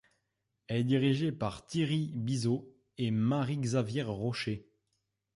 Elle est dirigée par Thierry Bizot et Marie-Xavière Rochet.